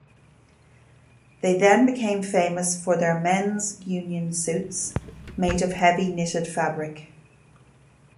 They then became famous for their men's union suits made of heavy knitted fabric.